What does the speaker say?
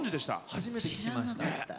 初めて聞きました。